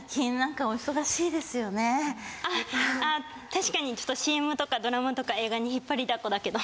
確かにちょっとＣＭとかドラマとか映画に引っ張りだこだけど。